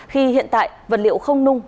khi hiện tại vật liệu không nung